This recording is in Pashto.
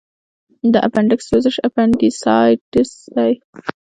د اپنډکس سوزش اپنډیسایټس دی.